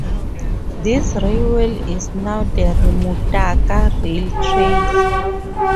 This railway is now the Rimutaka Rail Trail.